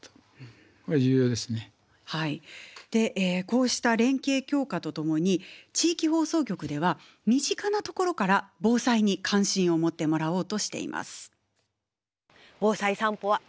こうした連携強化とともに地域放送局では身近なところから防災に関心を持ってもらおうとしています。